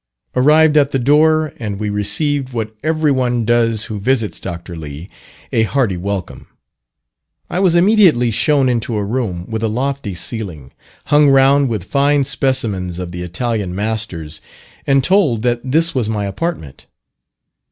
Arrived at the door, and we received what every one does who visits Dr. Lee a hearty welcome. I was immediately shown into a room with a lofty ceiling, hung round with fine specimens of the Italian masters, and told that this was my apartment.